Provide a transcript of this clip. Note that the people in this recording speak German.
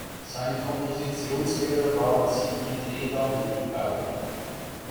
Seine Kompositionslehrer waren Siegfried Reda und Jürg Baur.